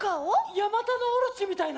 ヤマタノオロチみたいな？